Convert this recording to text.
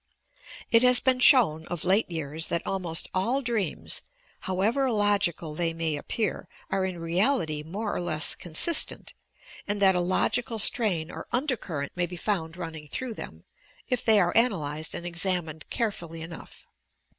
It has been shown, of late years, that almost all dreams, however illogical they may appear, are in reality more or less consistent, and that a logical strain or under current may be found running through them, if they are analysed and examined carefully enough.